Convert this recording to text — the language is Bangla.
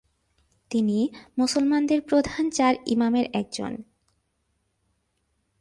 তিনি মুসলমানদের প্রধান চার ইমামের একজন।